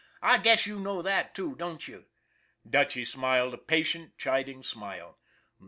I guess you know that, too, don't you?" Dutchy smiled a patient, chiding smile.